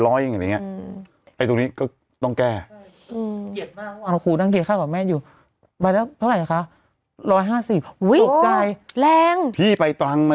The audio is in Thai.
แรงจริงบอกว่าจริงไม่ต้องซื้อ